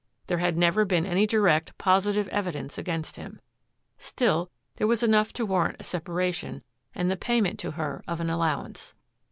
There had never been any direct, positive evidence against him. Still, there was enough to warrant a separation and the payment to her of an allowance.